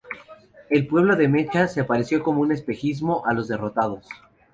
El pueblo de Macha se apareció como un espejismo a los derrotados.